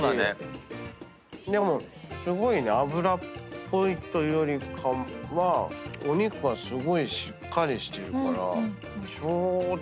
でもすごい脂っぽいというよりかはお肉はすごいしっかりしてるからちょうどいい。